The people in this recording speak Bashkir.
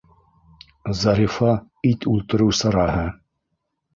Зарифа - ит үлтереү сараһы.